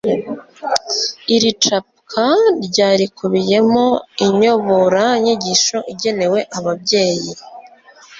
iri capwa rya rikubiyemo inyoboranyigisho igenewe ababyeyi